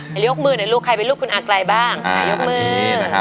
ยกมือหน่อยลูกใครเป็นลูกคุณอาไกลบ้างยกมือ